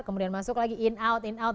kemudian masuk lagi in out in out